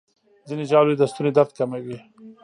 ځینې ژاولې د ستوني درد کموي.